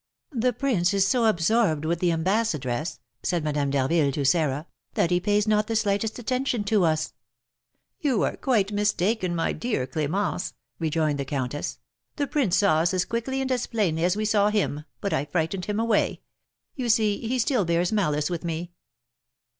"The prince is so absorbed with the ambassadress," said Madame d'Harville to Sarah, "that he pays not the slightest attention to us." "You are quite mistaken, my dear Clémence," rejoined the countess; "the prince saw us as quickly and as plainly as we saw him, but I frightened him away; you see he still bears malice with me."